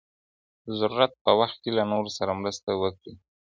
د ضرورت په وخت کي له نورو سره مرسته وکړئ.